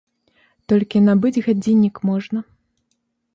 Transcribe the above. Толькі набыць гадзіннік можна.